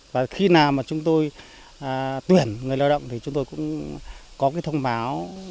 và khi nào mà chúng tôi tuyển người lao động thì chúng tôi cũng có cái thông báo